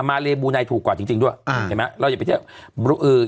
มาเลบูไนถูกกว่าจริงจริงด้วยอ่าเห็นไหมเราอย่าไปเที่ยวเออ